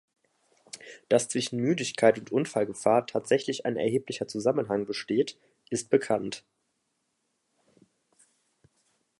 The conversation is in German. Dass zwischen Müdigkeit und Unfallgefahr tatsächlich ein erheblicher Zusammenhang besteht, ist bekannt.